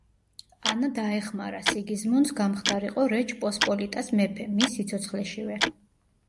ანა დაეხმარა სიგიზმუნდს გამხდარიყო რეჩ პოსპოლიტას მეფე, მის სიცოცხლეშივე.